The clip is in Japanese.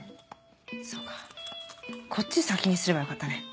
そっかこっち先にすればよかったね。